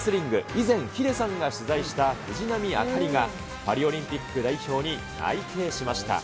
以前、ヒデさんが取材した藤波朱理が、パリオリンピック代表に内定しました。